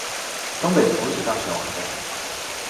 东北福祉大学网站